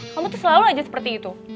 kamu tuh selalu aja seperti itu